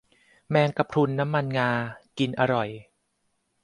แมงกะพรุนน้ำมันงา กินอร่อย